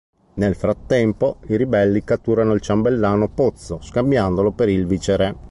Nel frattempo, i ribelli catturano il ciambellano Pozzo, scambiandolo per il viceré.